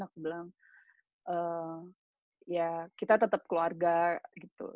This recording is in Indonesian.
aku bilang ya kita tetap keluarga gitu